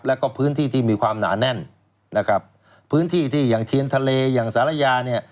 แล้วก็พื้นที่ที่มีความหนาแน่นนะครับพื้นที่ที่อย่างเทียนทะเลอย่างสารยาเนี่ย